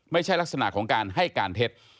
ไม่ใช่ลักษณะของการให้การเท็จ